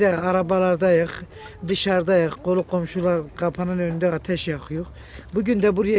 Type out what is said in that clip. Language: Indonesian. ya arabalar daya di syarik kolo komsyolah kapanan undang atas yakyuk bugunda buraya